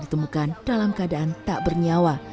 ditemukan dalam keadaan tak bernyawa